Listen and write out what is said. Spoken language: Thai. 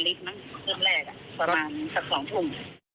เรื่องแรกประมาณสัก๒ทุ่ม